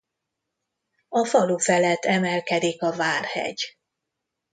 A falu felett emelkedik a várhegy.